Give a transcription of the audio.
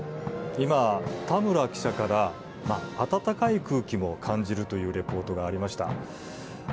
今、田村記者から温かい空気も感じるというリポートがありました。